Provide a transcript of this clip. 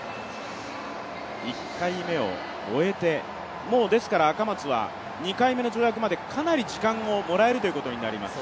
１回目を終えて、もうですから赤松は２２回目の跳躍までかなり時間をもらえるということになります。